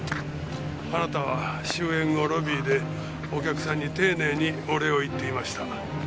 あなたは終演後ロビーでお客さんに丁寧にお礼を言っていました。